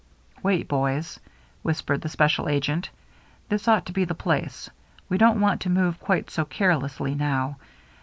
" Wait, boys," whispered the special agent. " This ought to be the place, — we don't want to move quite so carelessly now.